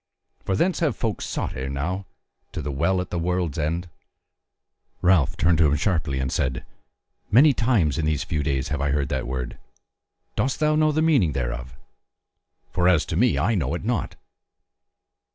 For thence have folk sought ere now to the WELL AT THE WORLD'S END." Ralph turned to him sharply and said: "Many times in these few days have I heard that word. Dost thou know the meaning thereof? For as to me I know it not."